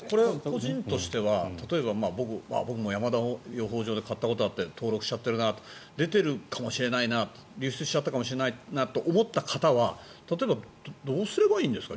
個人としては僕も山田養蜂場で買ったことがあって登録しちゃってるな出ているかもしれない流出しちゃったかもしれないと思った方は例えばどうすればいいんですか？